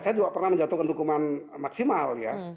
saya juga pernah menjatuhkan hukuman maksimal ya